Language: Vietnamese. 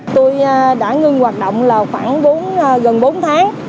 tôi đã ngưng hoạt động khoảng gần bốn tháng